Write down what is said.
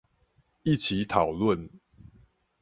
一起討論